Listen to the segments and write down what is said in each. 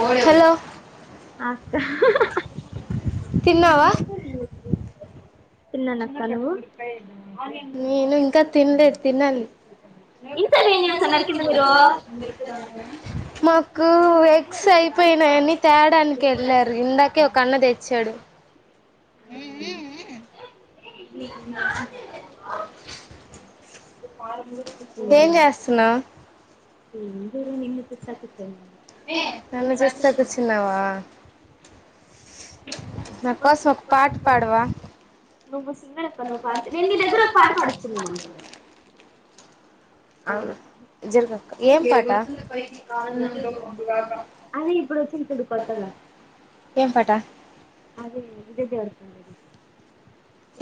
బైటికి హలో పో అక్క తిన్నావా హ తిన్నాను అక్క నువ్వు నేను ఇంకా తినలేదు. తినాలి. ఇంతసేపు ఏం చేస్తున్నారు కింద మనకు ఎయిట్ ఎగ్స్ అయిపోయినాయని, తేడానికి వెళ్లారు. ఇందాకే ఒక అన్న తెచ్చాడు. [inaudible] ఈ ప్రారంబు ఏం చేస్తున్నావు? నన్ను చూస్తా కూర్చున్నావా [unintelligible] నా కోసం ఒక పాట పాడవా? నువ్వు సింగర్ అక్క నువ్వు పాడితే నేను నీ దగ్గర ఒక పాట పాడించుకుందాం అనుకుంటున్నా. అవునా నిజంగా ఏం పాట? ఆనందంలో మబ్బులాగా అదే ఇప్పుడు వచ్చింది చూడు ఏం పాట? ఆది విజయదేవరకొండ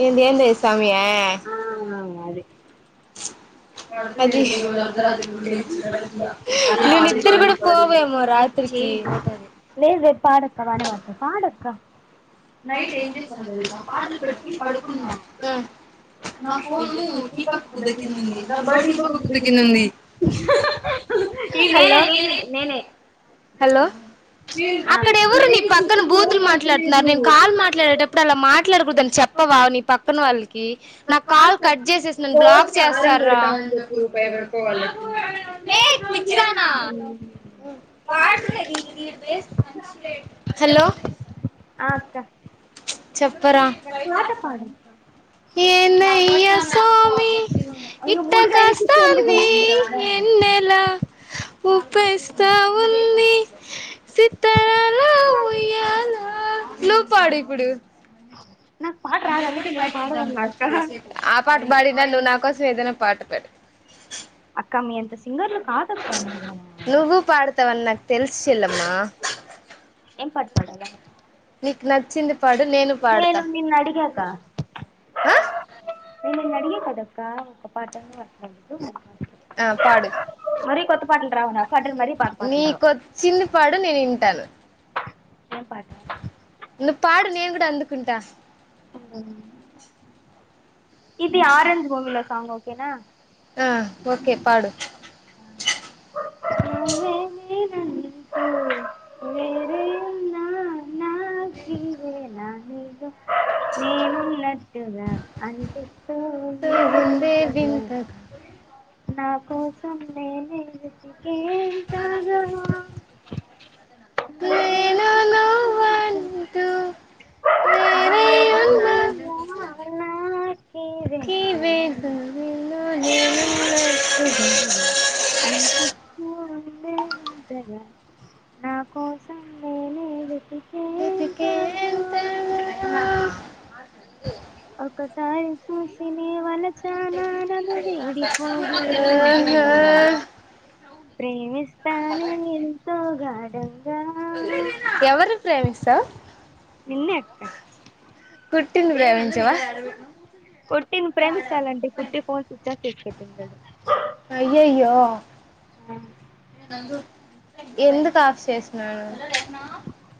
ఏంది ది ఏంది స్వామియా ఆ ఆ అదే పాడి నేను నిద్ర పాడి కూడా పాడి పోవేమో రాత్రికి ఏమోతది లేదు లేదు పాడక్క బానే పాడుతావ్ పాడు అక్క నైట్ ఎం చేశానో తెలుసా పాటలు పెట్టి కొని పడుకున్నాను. నాకు ఫోన్ రీఛార్జ్ దగ్గరైంది నేనే హలో నేనే నేనే హలో, నేను అక్కడ ఎవరు నా అక్కడేమో పక్కన లేదు ఫోన్ బూతులు మాట్లాడుతున్నారు నేను కాల్ మాట్లాడేటప్పుడు అలా మాట్లాడకూడదని పడతలేదు నీ పక్కన వాళ్లకు చెప్పవా నా కాల్ కట్ చేసేసింది నన్ను రోజు బ్లాక్ కారం చేస్తారా? పెడతామని చెప్పి రూపాయి వరకు వాళ్ళకి మే పిచ్చిదానా హలో! ఆ అక్కా చెప్పరా పాట పాడు ఏందయ్యా అబద్ధం ఆడాకు స్వామి అయ్యో ఇట్ట మూడు [unintelligible] కాస్తాంది ఊపేస్తా ఉంది సీతారాల ఉయ్యాల నువ్వు పాడు ఇప్పుడు నాకు పాట రాదు అందుకే నేను పాడదన్నా అక్క ఆ పాట పాడిన నువ్వు నా నా కోసం ఏదైనా పాట పాడు అక్కా మియంతా సింగర్లు కాదక్క మీరు. నువ్వు పాడతావని నాకు తెలుసు చెల్లెమ్మ ఏం పాట పాడాల నీకు నచ్చింది పాడు నేను పాడతా నిన్ను అడిగాక ఆ నేను నువ్వు అడిగి కదా అక్కా ఒక పాట పాడవు ఆ పాడు మరి కొత్త పాటలు రావా నాకు అంటే మరీ పాత నీ పాటలు రావు కొచ్చింది పాడు నేను వింటాను ఏం పాట నువ్వు పాడు నేను కూడా అందుకుంటా ఇది ఆరెంజ్ మూవీ లో సాంగ్ ఓకేనా ఆ ఓకే పాడు నువ్వే నేనంటూ [inaudible] నాకి ఈవేళ నీతో నేను నట్టు కదా అనిపిస్తూ ఉంది వింతగా నా కోసం నేనే వెతికేంతగా అమ్మవే నేను [inaudible] వేరేయ్ ఉన్నా కే నాకివేలా వేసు నీతో నేను అట్లగా నీలో అనిపిస్తూ లేదు కదా నా కోసం నేనే వెతికేం [unintelligible] వుంది ఒక్కసారి చూసి నీ వలపు చానా నను విడిపోదే మధు ప్రేమిస్తానే ఎంతో గాఢం ఎవరు ప్రేమిస నిన్నే అక్క కు టి ప్రయావించవా పుట్టిని ప్రేమించాలండి పుట్టి ఫోన్స్ ఇచ్చసి తీ పెట్ందడు అయ్యయ్యో ఎందుకు కా కాఫ్ చేసినను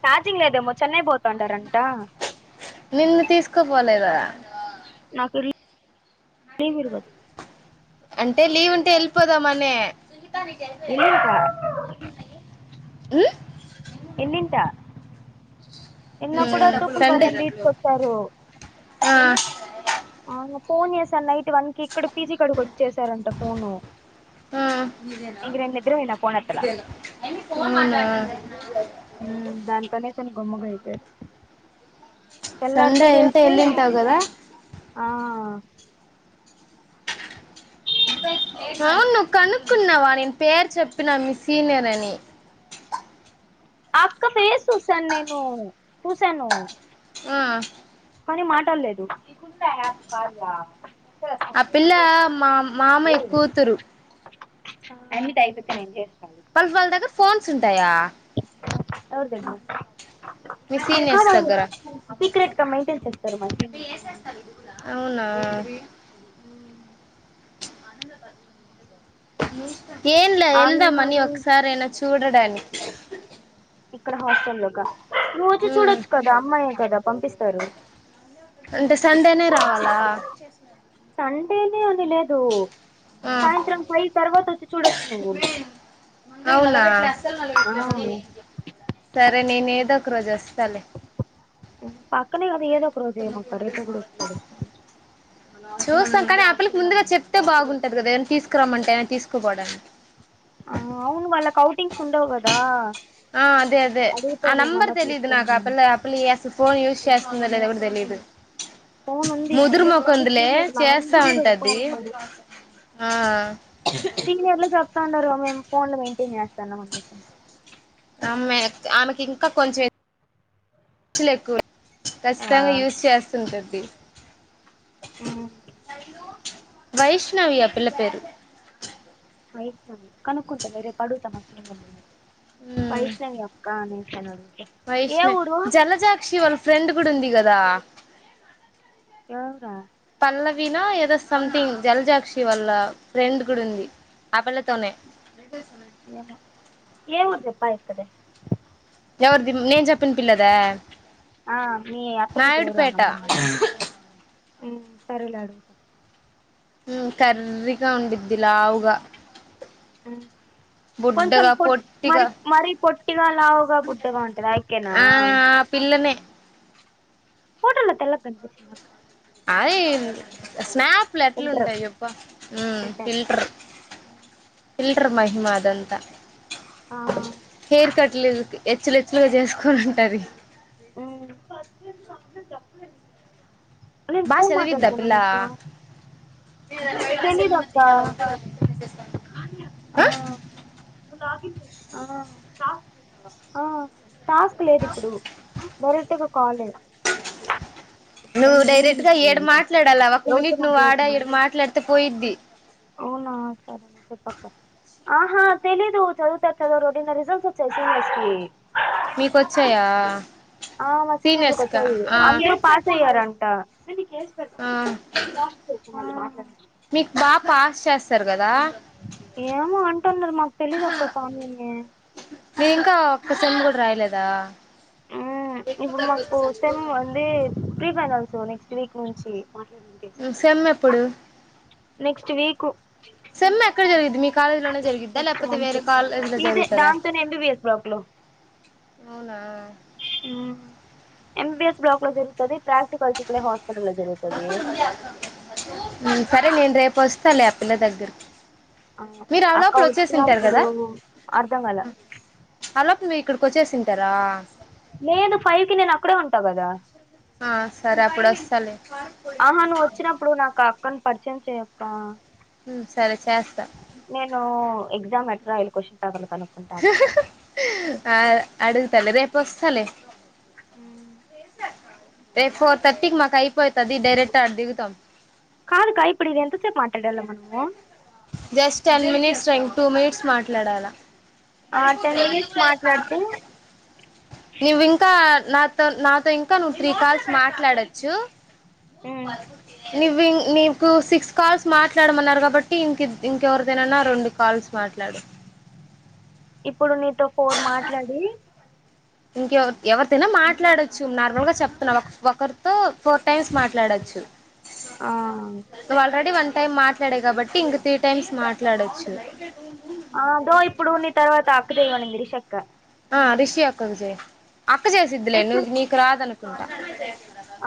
రాజింగ్ లేదేమో చెన్నై పోతాంటారంట నిన్ను తీసుకోపోలేదా నాకు లీవ్ లీవవలేదు అంటే లీవ్ ఉంటే వెళ్ళిపోదామానే ఆ ఎల్లింట ఎన్నింట ఎన్న కూడా తూపుల సండే బాలం తీసుకొచ్చారు ఆ ఆ ఫోన్ చేసారు నైట్ వన్ కి ఇక్కడ పీజీ కడికి వచ్చేసారంట ఫోను ఇంక నేను నిద్రపోయిన ఫోన్ ఎత్తలా అవునా ఉ దానితోనే చం గమ్ముగైతేరు తాళిరోతో సండే అంటే చేస్తా వెళ్ళింటావు కదా అ అవును నువ్వు కనుక్కున్నావా నేను పేరు చెప్పినా మిసీనర్ అని [inaudible] అక్క ఫేస్ చూసాను నేను చూసాను ఆ కాని మాట్డలేదుకు ఆ పిల్ల మా మామ ఎక్కువతురు అన్ని యిపోచ్చ వాళ్ళ వాళ్ళ దగ్గర ఫోన్స్ ఉంటాయా అరుద మీ ఎ సీనియర్స్ దగ్గర సీక్రెట్ గా మెయింటైన్ చేస్తారు మ అవునా ఆనంద పాత్రం మీద ఏంలా అన్ వెళ్దామాని ఒకసార అనా చూడడానికి ఇక్కడ హాస్టల్ లోగా నువ్వు వచ్చి ఉమ్ చూడొచ్చు కదా అమ్మాయ కదా పంపిస్తారు అంటే సండేనే రావాలా అడేనే అని లేదు ఆ సాయంత్రం ఫైవ్ తర్వాత వచ్చి చూడొచ్చు నువ్వు అవునా ఆ సరే నేను ఏదో ఒక రోజు వస్తాలే పక్కనే కదా ఏదో ఒక ఉదయం అక్క రేతే కూడా చూచ్చ చూస్తాం కానీ ఆ పిల్లికి ముందుగా చెప్తే బాగుంటది కదా ఏమైనా తీసుకురామంటే ఏమనా తీసుకుపోవడానికి ఆ అవును వాళ్ళ కౌటింగ్స్ ఉండవు కదా ఆ అదే అే ఆ నంబర్ అడుగుతారేమన్నా తెలీదు తీసుకురమ్మని నాకప్పు అప్పులి ఫన్ యూస్ చే ఉంతుందో లేదువ్ కూడా తలీదు చాల మంది సీక్రెట్ తం చేస్తా ఉంటది ఇఊర్లోట్కోంది ఆ సీనియర్లా జాబ్ తాంటారు మేమ్ ఫోన్ లో మెంటేన్ చేస్తా మన ఆమె ఆమెకి ఇంకా కొంచెంలు ఎక్కువ ఆ ఖచ్చితంగా యూజ చేస్తుంటది ఉమ్ వైష్ణవ్య పిల్ల పేరు వైష్ణవి కనుక్కుంటేనే రేపు అడుగుతాం వైష్ణవి అక్క అనే వైష్ణవ జలజాక్షి వాళ్ళ ఫ్రెండ్ కూడా ఉంది కదా ఎవరా వినో ఏదో సమంతింగ్ జల్జాక్షి వల్ల ఫ్రెండ్ కూడా ఉంది ఆపలతోనే పయపద ఎవరిది నేం చెప్పిన పిల్లద ఆ మీ అత్త కూతురు ఎవరో అన్నం తినవని మ్ సరేలే అడుగుతా మ్ కర్రిగా ఉండిది లావుగా మ్ కొంచెం బుడ్డగా పొ మరి పొట్టిగా మరి పొట్టిగా లావుగా బుడ్డ గా ఉంటుంది ఆ యెక్కేన ఆ ఆ పిల్లనే ఫోటోలో తెల్లగా కనిపిచిందక్క ఆ ఎంద్ స్నాప్ ప్లట్లు ఫిల్టర్ ఉంటాయి చెప్ప మ్ ఫిల్టర్ ఫిల్టర్ మహిమ అదంతా ఆ హేర్ కట్ల ఎదుగు హేచ్లెచ్చ ఎక్స్ రే చేసుకొని ఉంటాది ఉ నేను బాగా ఫోన్ మాట్లాడతానాను అక్క తెలీదు మెసేజ్ అక్క తీయాల [unintelligible] ఆ ఆ ఆ టాస్క్ లేదు ఇప్పుడు డైరెక్టుగా కాలే నువ్వు ఎన్ని ఎన్ని డైరెక్ట్ గా మినిట్స్ ఉంది ఏడు ఇంకా మాట్లాడాల ఒక ఎవరితో మినిట్ నువ్వు ఆడ మాట్లాడుతున్నావు ఇడ మాట్లాడితే పోయిద్ది అవునా సరేలే చెప్పక్క ఆహా తెలీదు చదువుతా చదవ రోడి రిజల్ట్స్ వచ్చాయి సీనియర్స్ కి మీకొచ్చాయా ఆ మా సీనియర్ సీనియర్స్ కా లకోచ్చాయి ఆ అందరు పాస్ అయ్యారంట ఆ ఆ మీకు బాగా పాస్ చేస్తారు కదా ఏమో అంటున్నారు మాకు తెలిదు అక్క కానీని నువ్వు ఇంకా ఒక్క సెమ్ కూడా రాయలేదా మ్ ఇప్పుడు మాకు సెమ్ వంది ప్రీఫైనల్స్ నెక్స్ట్ వీక్ నుంచి మ్ సెమ్మెప్పుడు నెక్స్ట్ వీకు సెమ్ ఎక్కడ జరిగిది మీ కాలేజ్ లోనే జరిగిద్దా లేకపోతే మంత్ వేరే కాలేజ్లో ఇదే జరుగుతదా దాంతోనే ఎంబీబిఎస్ బ్లాక్ అవునా మ్ ఎంబిబిఎస్ బ్లాక్ లో జరుగుతది ప్రాక్టికల్స్ ఇక్కడ హా మ్ సరే నేను రేపు వస్తా లే ఆ పిల్ల దగ్గరికి మీరు ఆ అక్క లోపల వచ్చేసి ఉంటారు వచ్చినప్పుడు కదా అర్ధం కాల ఆ లోపు మీ ఇక్కడికి వచ్చేసింటారా నేను ఫైవ్ కి నేను అక్కడే ఉంటా కదా ఆ సరే అప్పుడోస్తాలే ఆహా నువ్వు వచ్చినప్పుడు నాకు ఆ అక్కను పరిచయం చెయ్యక్కా సరే చేస్తా నేను ఎగ్జామ్ ఎట్ రాయలి క్వశ్చన్ పేపర్ లు ఆ అడుగుతాలే రేపు వస్తాలే ఉమ్మ్ రేప్ ఫోర్ తర్టీకి మాకు అయిపో కాదు కా ఇప్పుడిది ఎంత సేపు మాట్లాడాల మనము జస్ట్ టెన్ మినిట్స్ రా ఇంకా టూ మినిట్స్ మాట్లాడాలా ఆ టెన్ మినిట్స్ మాట్లాడితే నువ్ ఇంకా నాతో నాతో ఇంకా నువ్వు త్రీ కాల్స్ మాట్లాడచ్చు మ్ నువింగ్ నీకు సిక్స్ కాల్స్ మాట్లాడమన్నారు కాబట్టి ఇం ఇంకెవరిదైనానా రెండు కాల్స్ మాట్లాడు ఇప్పుడు నీతో ఫోర్ మాట్లాడి ఇంకెవ ఎవరి తైనా మాట్లాడొచ్చు నార్మల్ గా చెప్తున్నా ఒకరితో ఫోర్ టైమ్స్ మాట్లాడ చ్చు ఆ నువ్వు ఆల్రెడీ వన్ టైమ్ మాట్లాడవ్ కాబట్టి ఇంక త్రీ టైమ్స్ మాట్లాడచ్చు అదో ఇప్పుడు నీ తర్వాత అక్కదేయమనింది రిషక్క ఆ రిషి అక్కకు చే అక్క చేసిద్లే ఇప్పుడు నువ్ నీకు రాదనుకుంటా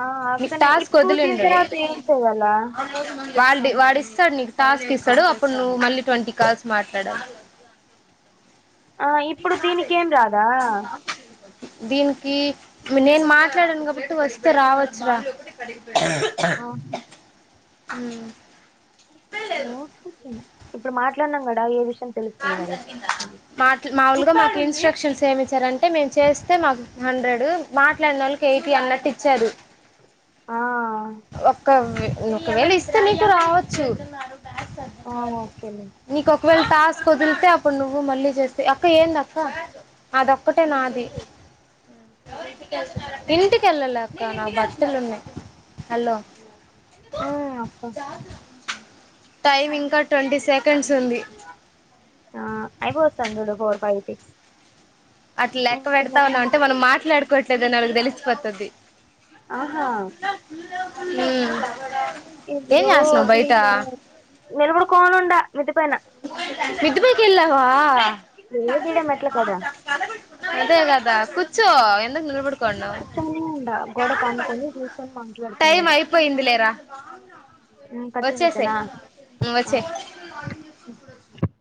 ఆ మీ అక్కనే టాస్ ఇప్పుడు దీని వదిలిండడు తర్వాత ఏం చేయాలా వాడి వాడి ఇస్తాడు నీకు టాస్క్ ఇస్తాడు అప్పుడు నువ్వు మళ్ళీ ట్వంటీ కాల్స్ మాట్లాడల ఆ ఇప్పుడు దీనికేం రాదా దీనికి నేను మాట్లాడాను కాబట్టి వస్తే రావచ్చు రా ఉమ్మ్ ఇప్పుడు మాట్లాడినాం కడ ఏ విషయ మాట్ల మాములుగా మాకు ఇన్స్ట్రక్షన్స్ ఏమి ఇచ్చారంటే మేము చేస్తే మాకు హండ్రెడ్ మాట్లాడిన వాళ్ళకి ఎయిటీ అన్నట్టు ఇచ్చారు ఆ ఒక ఒకవేళ ఇస్తే నీకు రావచ్చు ఆ ఓకేలే నీకు ఒకవేళ టాస్క్ వదిలితే అప్పుడు నువ్వు మళ్ళీ చేస్తా అక్క ఏంద అక్క అదొక్కటే నాది ఇంటికెళ్ళలేక్క నా బట్టలున్నాయి హలో హ్మ్మ్ అక్క టైమ్ ఇంకా ట్వంటీ సెకండ్స్ ఉంది అయిపోతాంది చూడు ఫోర్ ఫైవ్ సిక్స్ అట్లా లెక్క ఇప్పుడు పెడతా ఉన్నా నన్ను- అంటే మనం మాట్లాడుకోవట్లేదుని అళ్కి తెలిసిపోతది ఆహా హ్మ్మ్ ఎడో దీ నిలబడు కోనుండా మీద్దిపైనా మీద్దిపైకీ ఏళ్ళవా లేదు ఈడ మెట్ల కాడ అదే కదా కుచ్చో ఎందకు నిలబడ్ కూర్చొనే ఉండా గోడకు అనుకని కూర్చొని మాట్లాడుతా వచ్చే సై మ్ వచ్చే ఆ ఇప్పుడు వొచ్చి